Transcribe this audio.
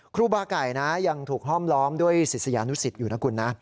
ครูบาไก่นะยังถูกห้อมล้อมด้วยศิษยานุสิตอยู่นะคุณนะ